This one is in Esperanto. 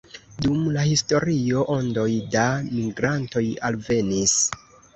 Dum la historio ondoj da migrantoj alvenis.